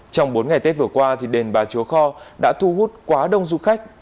trong bốn ngày tết vừa qua đền bà chúa kho đã thu hút quá đông du khách